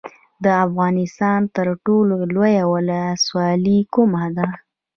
د افغانستان تر ټولو لویه ولسوالۍ کومه ده؟